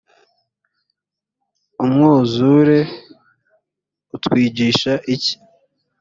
umwuzure utwigisha iki?